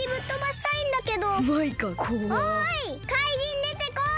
おいかいじんでてこい！